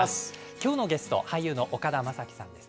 きょうのゲスト、俳優の岡田将生さんです。